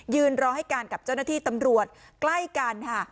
รอให้การกับเจ้าหน้าที่ตำรวจใกล้กันค่ะ